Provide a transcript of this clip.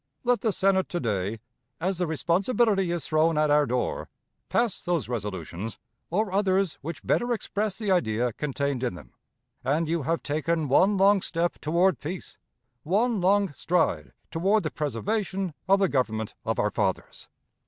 Let the Senate to day, as the responsibility is thrown at our door, pass those resolutions, or others which better express the idea contained in them, and you have taken one long step toward peace, one long stride toward the preservation of the Government of our fathers.